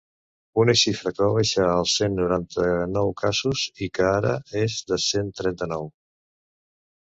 Una xifra que va baixar als cent noranta-nou casos i que ara és de cent trenta-nou.